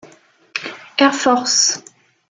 Air Force.